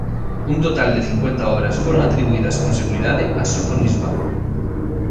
Un total de cincuenta obras foron atribuídas con seguridade a Sofonisba.